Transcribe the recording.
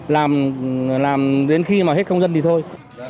làm đến khi mà hết công dân thì thôi